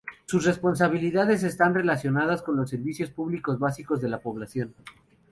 Sus responsabilidades están relacionadas con los servicios públicos básicos de la población.